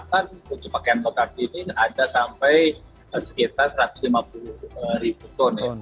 bahkan kunci pakaian total ini ada sampai sekitar satu ratus lima puluh ribu ton